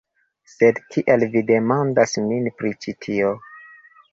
Sed kial vi demandas min pri ĉi tio?